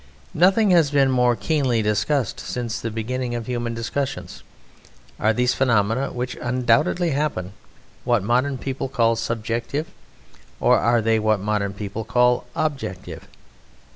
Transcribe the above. Nothing has been more keenly discussed since the beginning of human discussions. Are these phenomena (which undoubtedly happen) what modern people call subjective, or are they what modern people call objective?